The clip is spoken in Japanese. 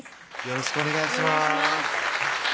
よろしくお願いします